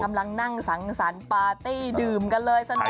กำลังนั่งสังสรรค์ปาร์ตี้ดื่มกันเลยสนุก